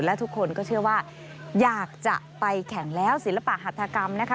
และทุกคนก็เชื่อว่าอยากจะไปแข่งแล้วศิลปะหัฐกรรมนะคะ